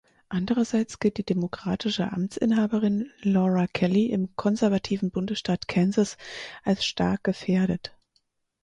Andererseits gilt die demokratische Amtsinhaberin Laura Kelly im konservativen Bundesstaat Kansas als stark gefährdet.